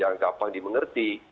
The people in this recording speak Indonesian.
yang diperlukan untuk mengerti